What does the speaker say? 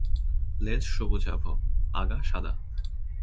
লেজ সবুজাভ, আগা সাদা।